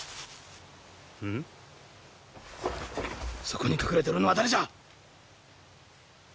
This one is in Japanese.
そこに隠れておるのは誰じゃ！